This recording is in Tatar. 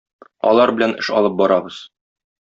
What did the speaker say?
Алар белән эш алып барабыз.